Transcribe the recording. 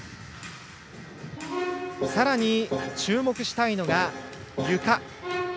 さらに、注目したいのがゆか。